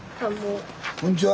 こんにちは。